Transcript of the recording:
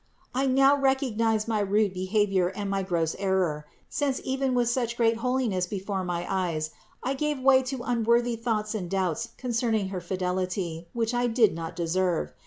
I now recognize my rude behavior and my gross error; since even with such great holiness be fore my eyes I gave way to unworthy thoughts and doubts concerning her fidelity, which I did not deserve.